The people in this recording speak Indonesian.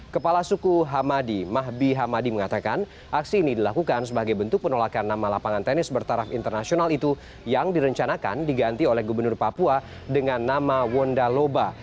kepala suku hamadi mahbi hamadi mengatakan aksi ini dilakukan sebagai bentuk penolakan nama lapangan tenis bertaraf internasional itu yang direncanakan diganti oleh gubernur papua dengan nama wondaloba